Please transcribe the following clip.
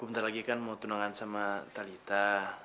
bentar lagi kan mau tunangan sama talitha